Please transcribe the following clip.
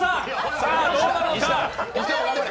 さあどうなのか？